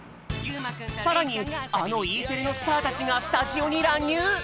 さらにあのＥテレのスターたちがスタジオにらんにゅう！？